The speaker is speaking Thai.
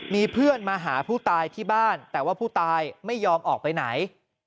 มีเพื่อนมาหาผู้ตายที่บ้านแต่ว่าผู้ตายไม่ยอมออกไปไหน